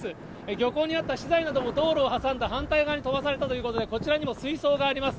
漁港にあった資材なども道路を挟んだ反対側に飛ばされたということで、こちらにも水槽があります。